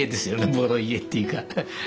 ボロ家っていうか。